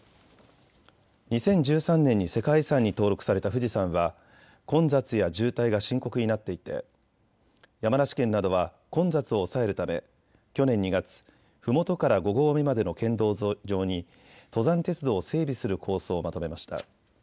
２０１３年に世界遺産に登録された富士山は混雑や渋滞が深刻になっていて山梨県などは混雑を抑えるため去年２月、ふもとから５合目までの県道上に登山鉄道を整備する構想をまとめました。